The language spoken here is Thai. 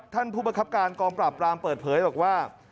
ท่านผู้ประคับการกองปราบปรามเปิดเผยบอกว่า